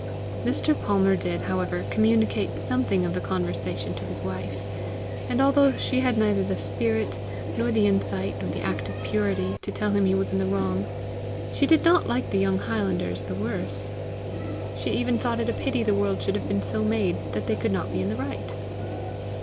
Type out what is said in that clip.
Mr. Palmer did, however, communicate something of the conversation to his wife; and although she had neither the spirit, nor the insight, nor the active purity, to tell him he was in the wrong, she did not like the young highlanders the worse. She even thought it a pity the world should have been so made that they could not be in the right.